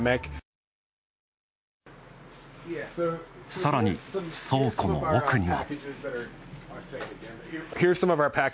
さらに、倉庫の奥には。